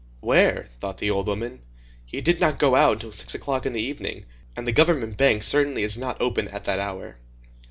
"Where?" thought the old woman. "He did not go out until six o'clock in the evening, and the government bank certainly is not open at that hour."